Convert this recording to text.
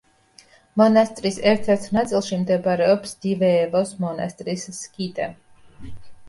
მონასტრის ერთ-ერთ ნაწილში მდებარეობს დივეევოს მონასტრის სკიტე.